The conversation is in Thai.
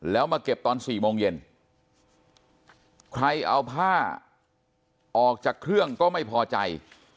แล้วมาเก็บตอน๔โมงเย็นใครเอาผ้าออกจากเครื่องก็ไม่พอใจ